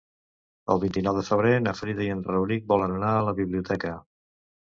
El vint-i-nou de febrer na Frida i en Rauric volen anar a la biblioteca.